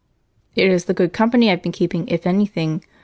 "It is the good company I've been keeping, if anything.